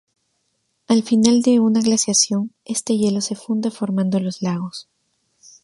Al final de una glaciación este hielo se funde formando los lagos.